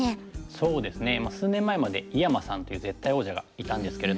そうですね数年前まで井山さんという絶対王者がいたんですけれども。